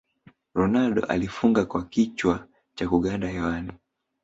ronaldo alifunga kwa kichwa cha kuganda hewani